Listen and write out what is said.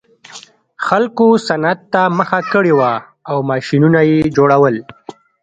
خلکو صنعت ته مخه کړې وه او ماشینونه یې جوړول